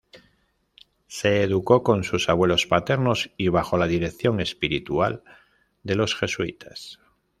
Se educó con sus abuelos paternos y bajo la dirección espiritual de los jesuitas.